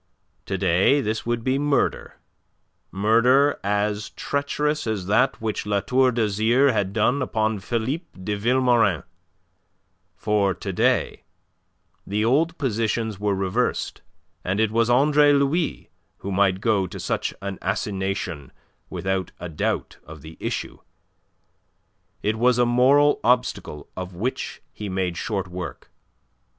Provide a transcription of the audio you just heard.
To day this would be murder, murder as treacherous as that which La Tour d'Azyr had done upon Philippe de Vilmorin; for to day the old positions were reversed, and it was Andre Louis who might go to such an assignation without a doubt of the issue. It was a moral obstacle of which he made short work.